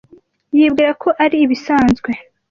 Yibwira ko ari ibisanzwe